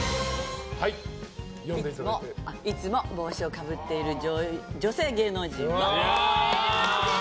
いつも帽子をかぶっている女性芸能人は。